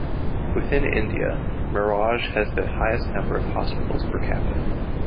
Within India, Miraj has the highest number of hospitals per capita.